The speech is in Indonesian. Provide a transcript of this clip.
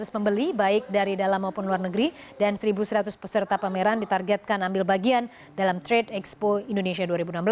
dua ratus pembeli baik dari dalam maupun luar negeri dan satu seratus peserta pameran ditargetkan ambil bagian dalam trade expo indonesia dua ribu enam belas